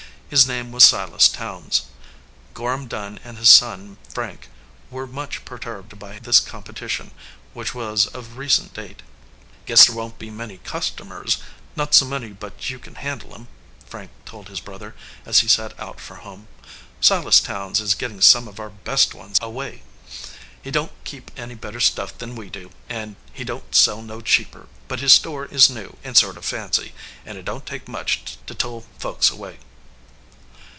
His name was Silas Towns. Gorham Dunn and his son Frank were much perturbed by this competition, which was of recent date. "Guess there won t be many customers; not so many but you can handle em/ Frank told his brother as he set out for home. "Silas Towns is getting some of our best ones away. He don t keep any better stuff than we do, and he don t sell no cheaper, but his store is new and sort of fancy, and it don t take much to tole folks away."